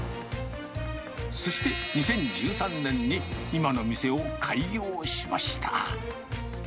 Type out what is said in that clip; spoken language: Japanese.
そして、２０１３年に今の店を開業しました。